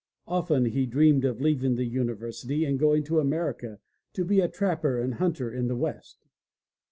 Often he dreamed of leaving the University and going to America to be a trapper and hunter in the west.